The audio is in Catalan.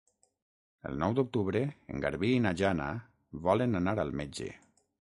El nou d'octubre en Garbí i na Jana volen anar al metge.